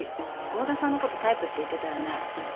郷田さんの事タイプって言ってたよね？